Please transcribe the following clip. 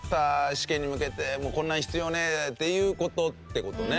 試験に向けてもうこんなの必要ねえ！っていう事って事ね。